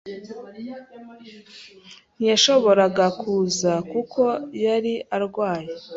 Ntiyashoboraga kuza kuko yari arwaye.